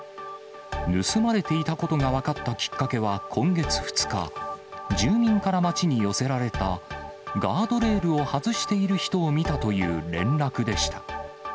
盗まれていたことが分かったきっかけは、今月２日、住民から町に寄せられた、ガードレールを外している人を見たという連絡でした。